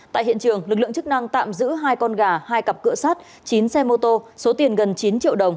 tại hiện trường lực lượng chức năng tạm giữ hai con gà hai cặp cửa sát chín xe mô tô số tiền gần chín triệu đồng